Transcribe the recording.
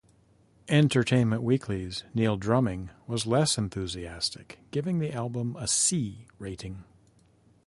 "Entertainment Weekly"'s Neil Drumming was less enthusiastic, giving the album a 'C' rating.